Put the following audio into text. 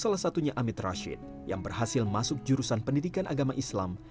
salah satunya amit rashid yang berhasil masuk jurusan pendidikan agama islam